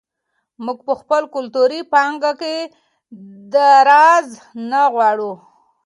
موږ په خپله کلتوري پانګه کې درز نه غواړو.